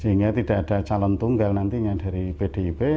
sehingga tidak ada calon tunggal nantinya dari pdip